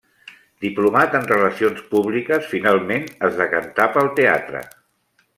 Diplomat en relacions públiques, finalment es decantà pel teatre.